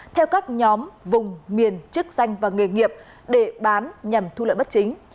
theo các nhóm vùng miền chức danh và nghề nghiệp để bán nhằm thu lợi bất chính